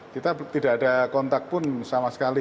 kita tidak ada kontak pun sama sekali